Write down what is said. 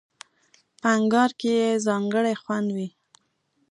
په انگار کې یې ځانګړی خوند وي.